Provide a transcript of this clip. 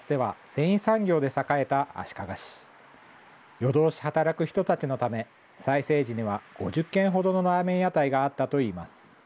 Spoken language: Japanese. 夜通し働く人たちのため最盛時には５０軒ほどのラーメン屋台があったといいます。